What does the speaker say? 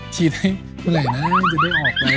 ทีนั้นเมื่อไหร่หน่าจะได้ออกรายการ